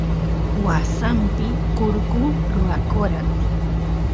wasampi kurku rwakora